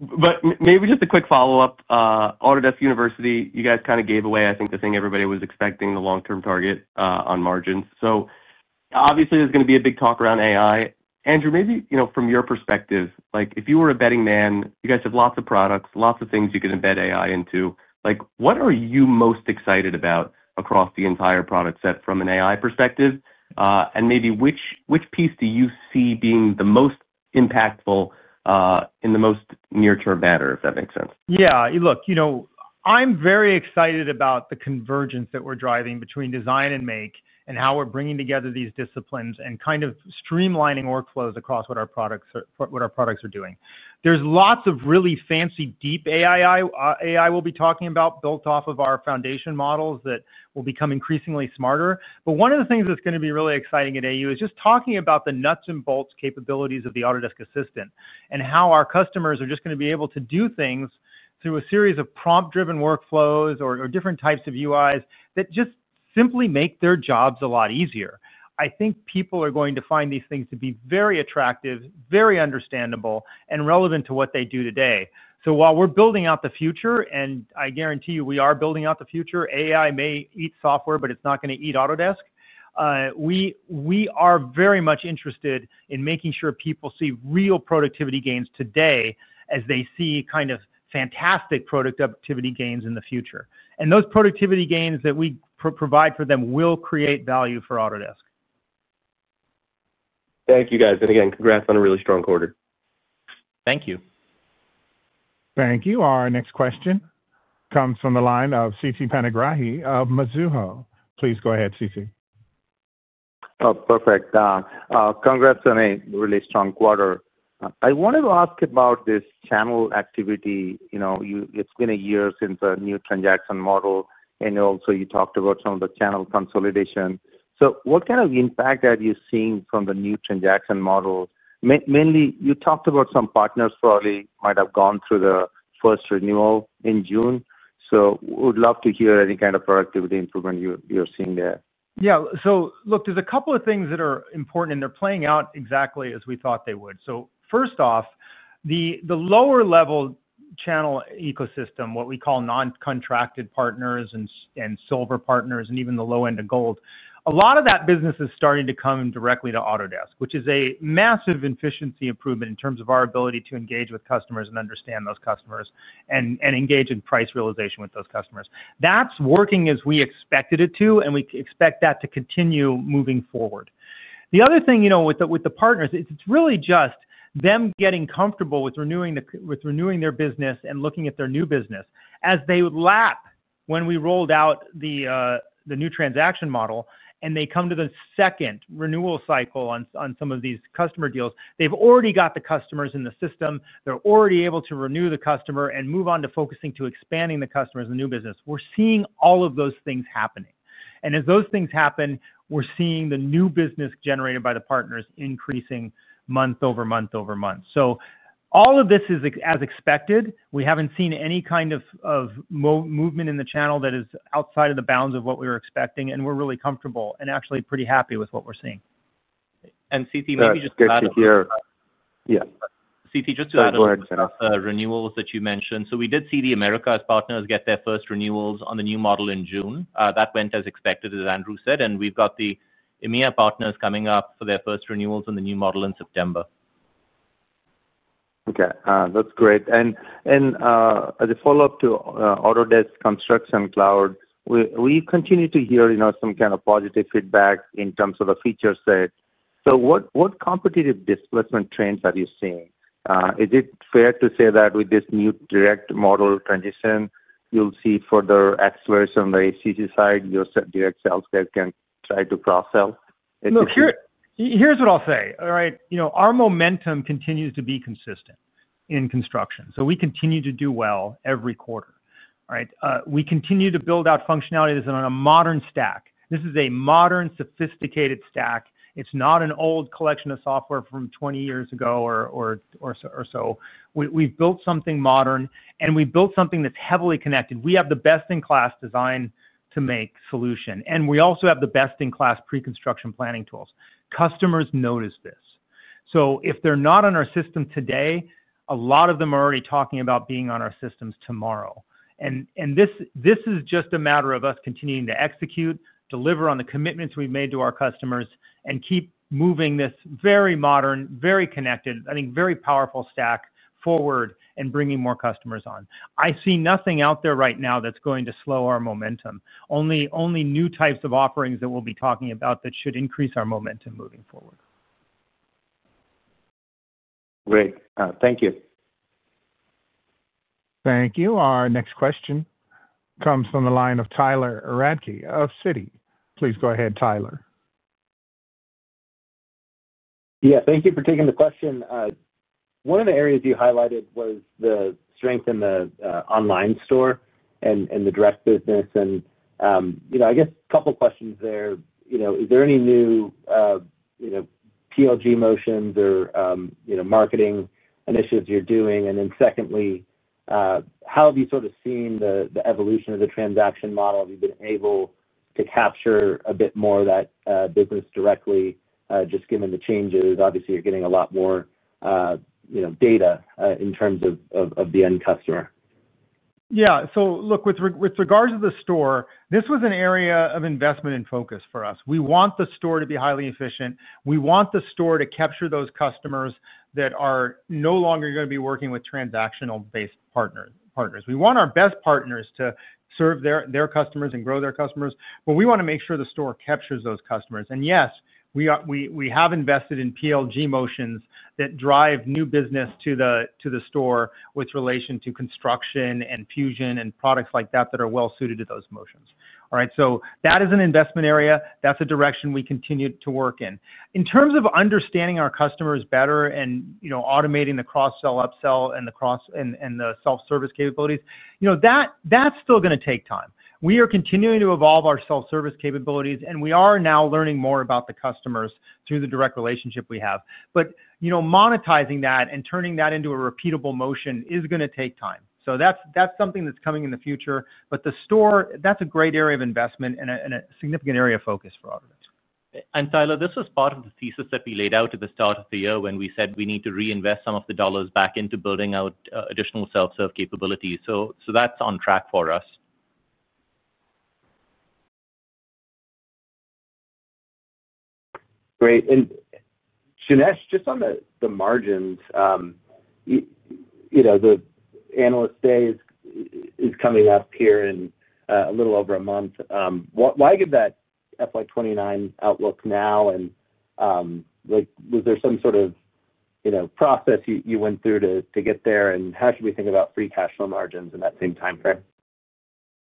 But maybe just a quick follow-up. Autodesk University, you guys kind of gave I think the thing everybody was expecting, the long term target on margins. Obviously, there's going to be a big talk around AI. Andrew, maybe you know, from your perspective. Like if you were a betting man. You guys have lots of products, lots of things you can embed AI into, what are you most excited about across the entire product set from an AI perspective? Which piece do you see being the most impactful in the most near term matter? if that makes sense. Yeah, look, you know, I'm very excited about the convergence that we're driving between design and make and how we're bringing together these disciplines and kind of streamlining workflows across what our products are doing. There's lots of really fancy deep AI we'll be talking about built off of our foundation model that will become increasingly smarter. One of the things that's going to be really exciting at AU is just talking about the nuts and bolts capabilities of the Autodesk Assistant and how our customers are just going to be able to do things through a series of prompt driven workflows or different types of UIs that just simply make their jobs a lot easier. I think people are going to find these things to be very attractive, very understandable and relevant to what they do today. While we're building out the future, and I guarantee you we are building out the future, AI may eat software, but it's not going to eat Autodesk. We are very much interested in making sure people see real productivity gains today as they see kind of fantastic productivity gains in the future. Those productivity gains that we provide for them will create value for Autodesk. Thank you, guys. Congratulations on a really strong quarter. Thank you. Thank you. Our next question comes from the line of Siti Panigrahi of Mizuho. Please go ahead, Siti. Perfect. Congrats on a really strong quarter. I wanted to ask about this channel activity. You know, it's been a year since the new transaction model and also you talked about some of the channel consolidation. What kind of impact are you seeing from the new transaction model? Mainly you talked about some partners probably might have gone through the first renewal in June. Would love to hear any kind of productivity improvement you're seeing there. Yeah, there's a couple of things that are important and they're playing out exactly as we thought they would. First off, the lower level channel ecosystem, what we call non-contracted partners and silver partners and even the low end of gold, a lot of that business is starting to come directly to Autodesk, which is a massive efficiency improvement in terms of our ability to engage with customers and understand those customers and engage in price realization with those customers. That's working as we expected it to, and we expect that to continue moving forward. The other thing with the partners is it's really just them getting comfortable with renewing their business and looking at their new business as they lapse. When we rolled out the new transaction model and they come to the second renewal cycle on some of these customer deals, they've already got the customers in the system, they're already able to renew the customer and move on to focusing, to expanding the customers in the new business. We're seeing all of those things happening. As those things happen, we're seeing the new business generated by the partners increasing month over month over month. All of this is as expected. We haven't seen any kind of movement in the channel that is outside of the bounds of what we were expecting. We're really comfortable and actually pretty happy with what we're seeing. Maybe just here. Yeah, Siti, just to add renewals that you mentioned. We did see the Americas partners get their first renewals on the new model in June. That went as expected, as Andrew said. We've got the EMEA partners coming up for their first renewals on the new model in September. Okay, that's great. As a follow up to Autodesk Construction Cloud, we continue to hear some kind of positive feedback in terms of the feature set. What competitive displacement trends are you seeing? Is it fair to say that with this new direct model transition, you'll see further acceleration on the HTT side? Your direct sales guide can try to cross sell. Look, here's what I'll say, all right. Our momentum continues to be consistent in construction, so we continue to do well every quarter. We continue to build out functionality that is on a modern stack. This is a modern, sophisticated stack. It's not an old collection of software from 20 years ago or so. We've built something modern, and we built something that's heavily connected. We have the best in class design to make solution, and we also have the best in class preconstruction planning tools. Customers notice this, so if they're not on our system today, a lot of them are already talking about being on our systems tomorrow. This is just a matter of us continuing to execute, deliver on the commitments we've made to our customers, and keep moving this very modern, very connected, I think, very powerful stack forward and bringing more customers on. I see nothing out there right now that's going to slow our momentum. Only new types of offerings that we'll be talking about should increase our momentum moving forward. Great, thank you. Thank you. Our next question comes from the line of Tyler Radke of Citi. Please go ahead Tyler. Thank you for taking the question. One of the areas you highlighted was the strength in the online store and the direct business. I guess a couple questions there. Is there any new, you know, PLG motions or, you know, marketing initiatives you're doing? And then secondly, how have you sort of seen the evolution of the transaction model? Have you been able to capture a bit more of that business directly just given the changes? Obviously you're getting a lot more data in terms of the end customer. Yeah. So look, with regards to the store, this was an area of investment and focus for us. We want the store to be highly efficient. We want the store to capture those customers that are no longer going to be working with transactional based partners. We want our best partners to serve their customers and grow their customers. We want to make sure the store captures those customers. Yes, we have invested in PLG motions that drive new business to the store with relation to construction and Fusion and products like that that are well suited to those motions. That is an investment area. That's a direction we continue to work in in terms of understanding our customers better and automating the cross sell, upsell, and the self service capabilities. That's still going to take time. We are continuing to evolve our self service capabilities and we are now learning more about the customers through the direct relationship we have. You know, monetizing that and turning that into a repeatable motion is going to take time. That's something that's coming in the future. The store is a great area of investment and a significant area of focus for Autodesk. Tyler, this was part of the thesis that we laid out at the start of the year when we said we need to reinvest some of the dollars back into building out additional self serve capabilities. That's on track for us. Great, and Janesh. Just on the margins, you know, the analyst day is coming up here in a little over a month. Why did that FY29 outlook now and like was there some sort of, you know, process you went through to get there, and how should we think about free cash flow margins in that same time frame?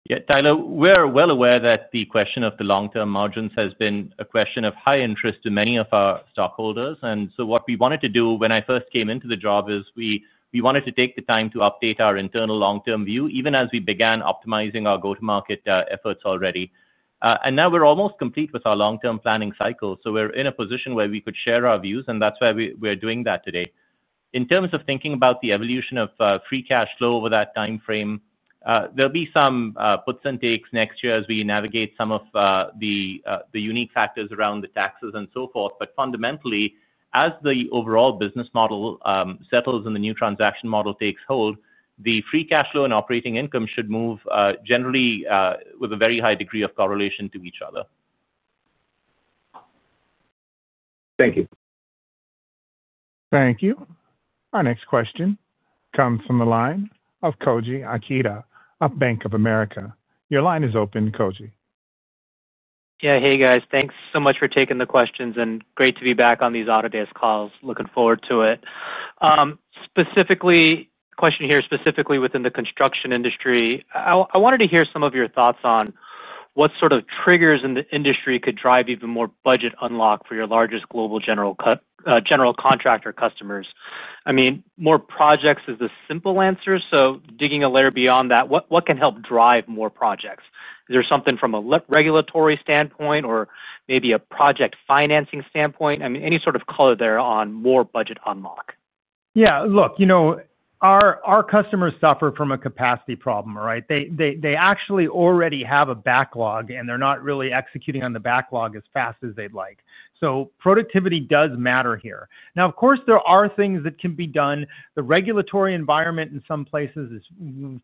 Yeah, Tyler, we're well aware that the question of the long term margins has been a question of high interest to many of our stockholders. What we wanted to do when I first came into the job is we wanted to take the time to update our internal long term view even as we began optimizing our go to market efforts already. Now we're almost complete with our long term planning cycle. We're in a position where we could share our views and that's why we're doing that today. In terms of thinking about the evolution of free cash flow over that time frame, there'll be some puts and takes next year as we navigate some of the unique factors around the taxes and so forth. Fundamentally, as the overall business model settles and the new transaction model takes hold, the free cash flow and operating income should move generally with a very high degree of correlation to each other. Thank you. Thank you. Our next question comes from the line of Koji Ikeda of Bank of America. Your line is open, Koji. Yeah. Hey guys, thanks so much for taking the questions and great to be back on these Autodesk calls. Looking forward to it. Specifically, question here, specifically within the construction industry, I wanted to hear some of your thoughts on what sort of triggers in the industry could drive even more budget unlock for your largest global general contractor customers. I mean more projects is the simple answer. Digging a layer beyond that, what can help drive more projects? Is there something from a regulatory standpoint or maybe a project financing standpoint? I mean any sort of color there on more budget unlock? Yeah, look, you know our customers suffer from a capacity problem, right? They actually already have a backlog and they're not really executing on the backlog as fast as they'd like to. Productivity does matter here. Of course there are things that can be done. The regulatory environment in some places is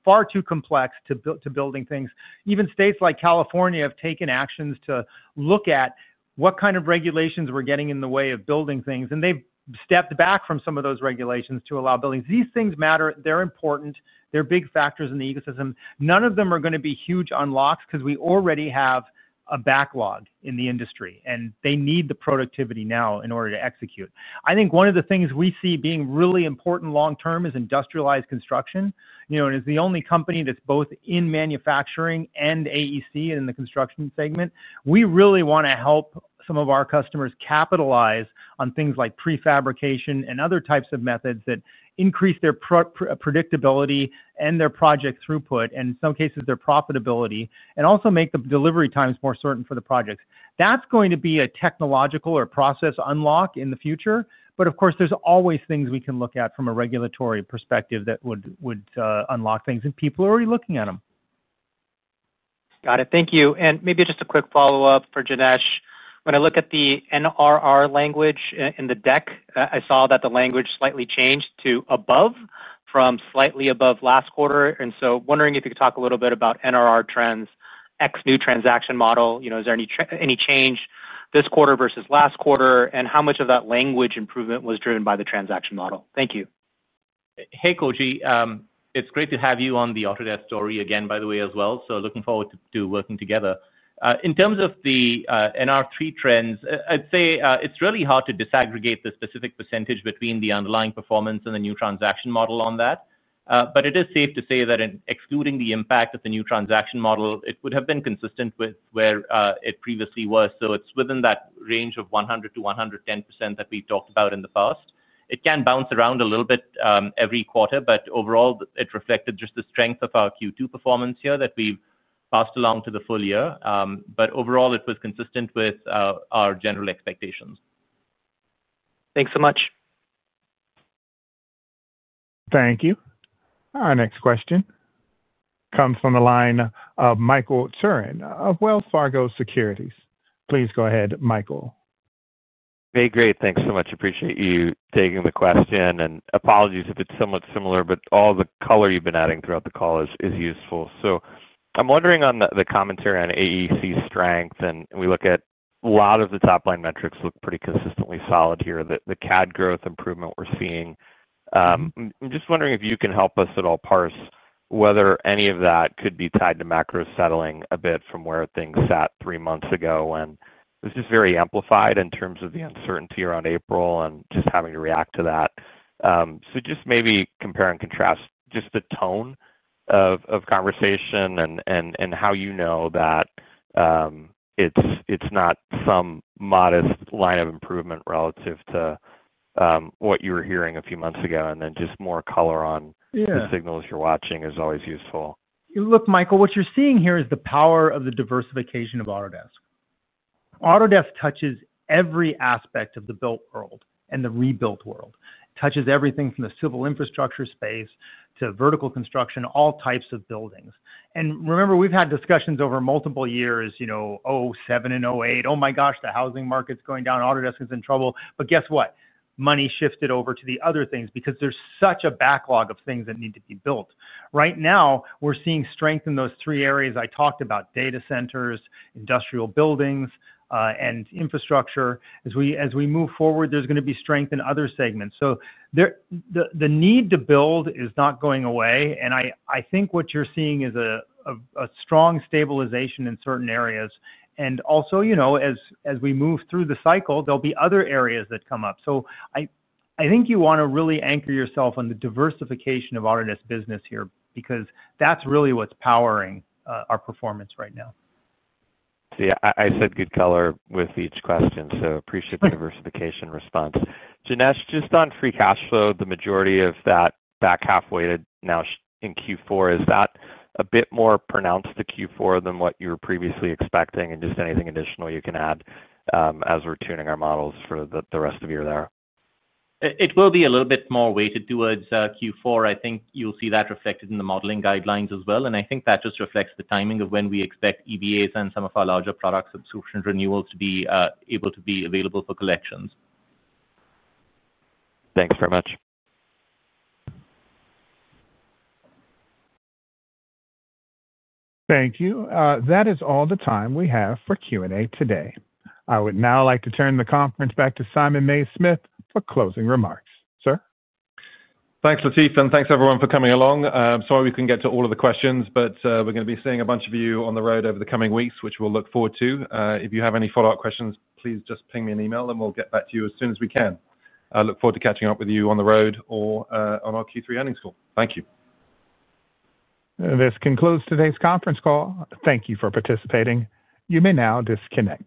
far too complex to building things. Even states like California have taken actions to look at what kind of regulations were getting in the way of building things and they've stepped back from some of those regulations to allow buildings. These things matter. They're important. They're big factors in the ecosystem. None of them are going to be huge unlocks because we already have a backlog in the industry and they need the productivity now in order to execute. I think one of the things we see being really important long term is industrialized construction, you know, and as the only company that's both in manufacturing and AEC in the construction segment, we really want to help some of our customers capitalize on things like prefabrication and other types of methods that increase their predictability and their project throughput and in some cases their profitability and also make the delivery times more certain for the projects. That's going to be a technological or process unlock in the future. Of course there's always things we can look at from a regulatory perspective that would unlock things and people are already looking at them. Got it. Thank you. Maybe just a quick follow up for Janesh. When I look at the NRR language in the deck, I saw that the language slightly changed to above from slightly above last quarter and so wondering if you could talk a little bit about NRR trends x new transaction model. Is there any change this quarter versus last quarter and how much of that language improvement was driven by the transaction model? Thank you. Hey Koji, it's great to have you on the Autodesk story again by the way as well. Looking forward to working together in terms of the NR3 trends. I'd say it's really hard to disaggregate the specific percentage between the underlying performance and the new transaction model on that. It is safe to say that in excluding the impact of the new transaction model, it would have been consistent with where it previously was. It's within that range of 100%-110% that we talked about in the past. It can bounce around a little bit every quarter, but overall it reflected just the strength of our Q2 performance here that we passed along to the full year. Overall, it was consistent with our general expectations. Thanks so much. Thank you. Our next question comes from the line of Michael Turrin of Wells Fargo Securities. Please go ahead. Michael. Very great. Thanks so much. Appreciate you taking the question and apologies if it's somewhat similar, but all the color you've been adding throughout the call is useful. I'm wondering on the commentary on AEC strength and we look at a lot of the top line metrics look pretty consistently solid here. The CAD growth improvement we're seeing, I'm just wondering if you can help us at all parse whether any of that could be tied to macro settling a bit from where things sat three months ago when it was just very amplified in terms of the uncertainty around April and just having to react to that. Just maybe compare and contrast just the tone of conversation and how you know that it's not some modest line of improvement relative to what you were hearing a few months ago. Just more color on the signals you're watching is always useful. Look, Michael, what you're seeing here is the power of the diversification of Autodesk. Autodesk touches every aspect of the built world and the rebuilt world, touches everything from the civil infrastructure space to vertical construction, all types of buildings. Remember, we've had discussions over multiple years, you know, 2007 and 2008, oh my gosh, the housing market's going down, Autodesk is in trouble. Guess what, money shifted over to the other things because there's such a backlog of things that need to be built. Right now we're seeing strength in those three areas I talked about: data centers, industrial buildings, and infrastructure. As we move forward, there's going to be strength in other segments. The need to build is not going away. I think what you're seeing is strong stabilization in certain areas. Also, as we move through the cycle, there'll be other areas that come up. I think you want to really anchor yourself on the diversification of Autodesk business here because that's really what's powering our performance right now. I said good color with each question, so appreciate the diversification response. Janesh, just on free cash flow, the majority of that back halfway now in Q4. Is that a bit more pronounced to Q4 than what you were previously expecting? Just anything additional you can add as we're tuning our models for the rest of year there. It will be a little bit more weighted towards Q4. I think you'll see that reflected in the modeling guidelines as well. I think that just reflects the timing of when we expect EBAs and some of our larger products, absorption renewals to be able to be available for collections. Thanks very much. Thank you. That is all the time we have for Q&A today. I would now like to turn the conference back to Simon Mays-Smith for closing remarks. Sir. Thanks, Latif, and thanks everyone for coming along. Sorry we couldn't get to all of it. We're going to be seeing a bunch of you on the road over the coming weeks, which we'll look forward to. If you have any follow up questions, please just ping me an email and we'll get back to you as soon as we can. I look forward to catching up with you on the road or on our Q3 earnings call. Thank you. This concludes today's conference call. Thank you for participating. You may now disconnect.